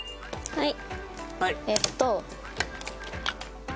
はい。